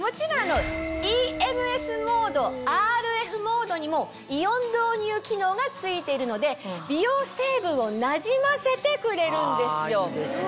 ＥＭＳモードＲＦモードにもイオン導入機能が付いているので美容成分をなじませてくれるんですよ。